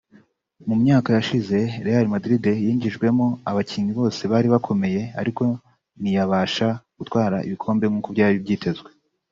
mu myaka yashize Real Madrid yigwijeho abakinnyi bose bari bakomeye ariko ntiyabasha gutwara ibikombe nk’uko byari byitezwe